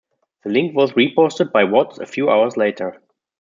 The link was reposted by Watts a few hours later.